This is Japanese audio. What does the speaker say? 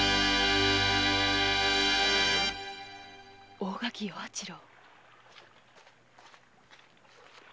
大垣与八郎！